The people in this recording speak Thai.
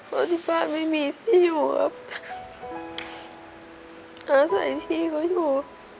เพราะที่บ้านไม่มีที่อยู่ครับอาศัยที่เขาอยู่